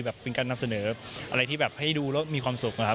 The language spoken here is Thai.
เป็นการนำเสนออะไรที่แบบให้ดูแล้วมีความสุขนะครับ